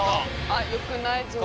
「あっよくないぞ」